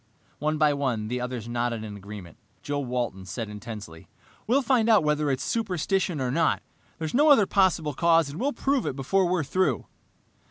One by one, the others nodded agreement. Joe Walton said intensely, "We'll find out whether it's superstition or not! There's no other possible cause, and we'll prove it before we're through."